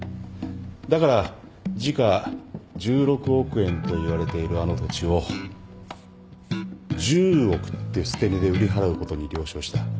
だから時価１６億円といわれているあの土地を１０億って捨て値で売り払うことに了承した。